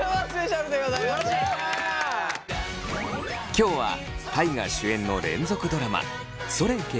今日は大我主演の連続ドラマ「それゆけ！